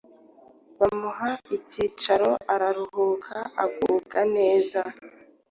bamuha icyicaro araruhuka agubwa neza